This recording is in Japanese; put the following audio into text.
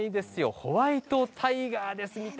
ホワイトタイガーです。